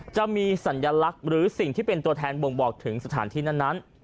จะมีสัญลักษณ์หรือสิ่งที่เป็นตัวแทนบ่งบอกถึงสถานที่นั้น